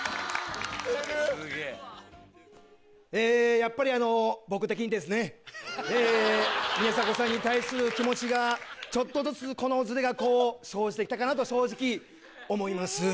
やっぱり僕的にですね宮迫さんに対する気持ちがちょっとずつズレが生じて来たと正直思います。